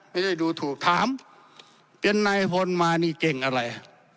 ไม่ได้ดูถูกถามเป็นนายพลมานี่เก่งอะไร